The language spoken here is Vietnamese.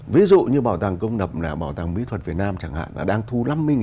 ví dụ như bảo tàng công lập là bảo tàng mỹ thuật việt nam chẳng hạn là đang thu năm mươi